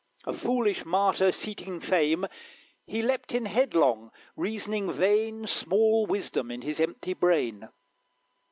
A foolish martyr, seeking fame, He leaped in headlong. Reasoning vain: Small wisdom in his empty brain.